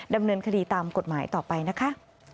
ดำเนินคดีตามกฎหมายต่อไปนะคะ